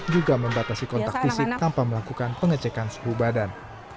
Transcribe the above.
juga membatasi kontak fisik tanpa melakukan pengecekan suhu badan